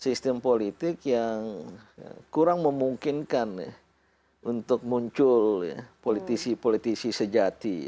sistem politik yang kurang memungkinkan untuk muncul politisi politisi sejati